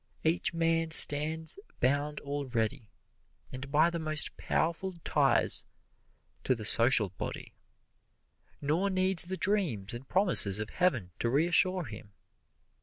Each man stands bound already, and by the most powerful ties, to the social body nor needs the dreams and promises of Heaven to reassure him.